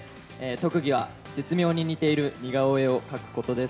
特技は絶妙に似ている似顔絵を描く事です。